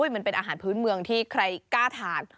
มันเป็นอาหารพื้นเมืองที่ใครกล้าทาน